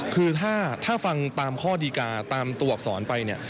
คือถ้าฟังตามข้อดีการ์ตามตัวอักษรไปเนี่ย